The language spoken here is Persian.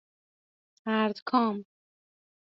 اَردکام